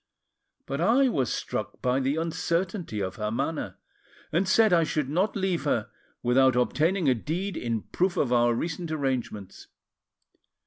But I was struck by the uncertainty of her manner, and said I should not leave her without obtaining a deed in proof of our recent arrangements.